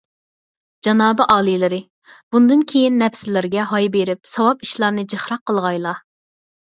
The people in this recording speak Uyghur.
جانابىي ئالىيلىرى، بۇندىن كېيىن نەپسىلىرىگە ھاي بېرىپ ساۋاب ئىشلارنى جىقراق قىلغايلا.